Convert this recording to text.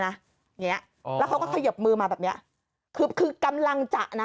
แล้วเขาก็เขยับมือมาแบบนี้คือกำลังจะนะ